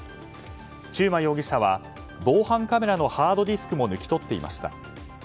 中馬容疑者は防犯カメラのハードディスクも抜き取っていました。